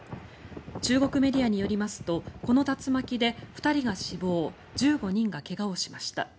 中国メディアによりますとこの竜巻で２人が死亡１５人が怪我をしました。